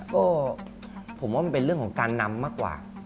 ก็ผมว่ามันเป็นเรื่องของการนำมากกว่า